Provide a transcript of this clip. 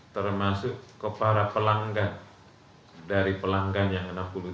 termasuk ke para pelanggan dari pelanggan yang enam puluh tujuh